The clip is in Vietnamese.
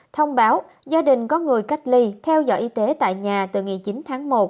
thông báo gia đình có người cách ly theo dõi y tế tại nhà từ ngày chín tháng một